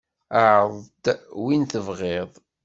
Ɛreḍ-d win tebƔiḍ.